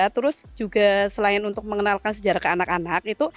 terus juga selain untuk mengenalkan sejarah ke anak anak itu